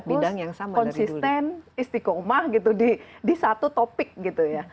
bilang konsisten istiqomah gitu di satu topik gitu ya